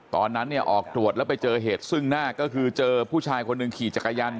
ตอนนั้นเนี่ยออกตรวจแล้วไปเจอเหตุซึ่งหน้าก็คือเจอผู้ชายคนหนึ่งขี่จักรยาน